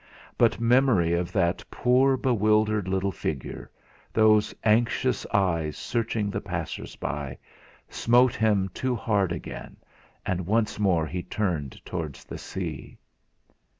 But memory of that poor, bewildered little figure, those anxious eyes searching the passers by, smote him too hard again, and once more he turned towards the sea.